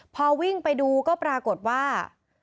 พอวิ่งไปดูก็ปรากฏว่า